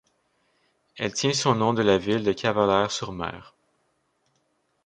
Elle tient son nom de la ville de Cavalaire-sur-Mer.